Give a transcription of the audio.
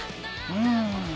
うん。